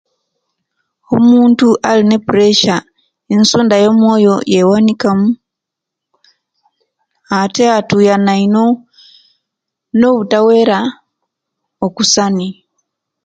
Omuntu alina presiya ensunda yomowoyo yewanika mu ate atuyana ino nobutawera okusani